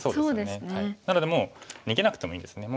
なのでもう逃げなくてもいいんですね。